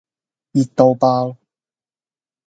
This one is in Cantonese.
熱到爆